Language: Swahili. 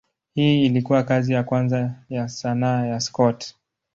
Hii ilikuwa kazi ya kwanza ya sanaa ya Scott.